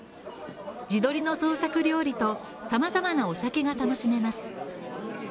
地鶏の創作料理と、さまざまなお酒が楽しめます。